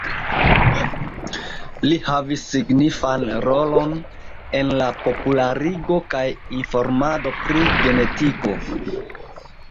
Li havis signifan rolon en la popularigo kaj informado pri genetiko.